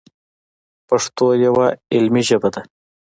پښتو یوه علمي ژبه ده.